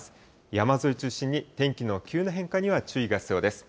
山沿い中心に天気の急な変化には注意が必要です。